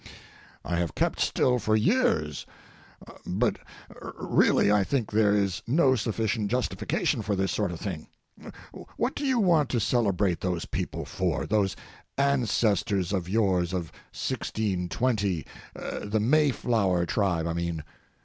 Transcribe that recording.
I have kept still for years; but really I think there is no sufficient justification for this sort of thing. What do you want to celebrate those people for?—those ancestors of yours of 1620—the Mayflower tribe, I mean.